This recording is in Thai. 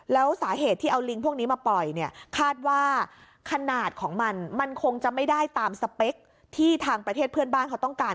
แล้วสาเหตุที่เอาลิงพวกนี้มาปล่อยเนี่ยคาดว่าขนาดของมันมันคงจะไม่ได้ตามสเปคที่ทางประเทศเพื่อนบ้านเขาต้องการ